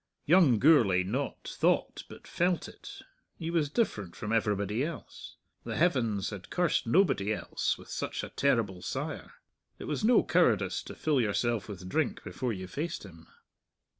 Young Gourlay not thought but felt it he was different from everybody else. The heavens had cursed nobody else with such a terrible sire. It was no cowardice to fill yourself with drink before you faced him.